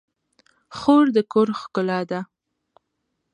خور د کور ښکلا ده.